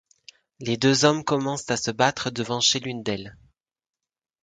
Les deux hommes commencent à se battre devant chez l'une d'elles.